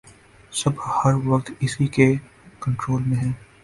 سب ہر وقت اسی کے کنٹرول میں ہیں